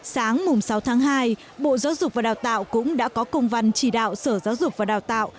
sáng sáu tháng hai bộ giáo dục và đào tạo cũng đã có công văn chỉ đạo sở giáo dục và đào tạo